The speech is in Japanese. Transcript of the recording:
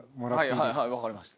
はいはい分かりました。